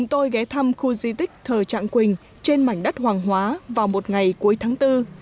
tôi ghé thăm khu di tích thờ trạng quỳnh trên mảnh đất hoàng hóa vào một ngày cuối tháng bốn